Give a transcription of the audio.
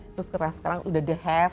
terus sekarang udah the have